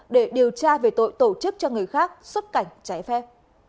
để điều tra về tội tổ chức cho người khác xuất cảnh trái phép